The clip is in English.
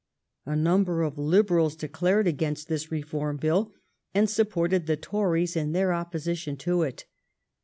A number of Liberals declared against his Reform Bill and supported the Tories in their opposition to it.